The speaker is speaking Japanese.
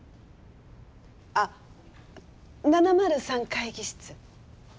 あっ７０３会議室。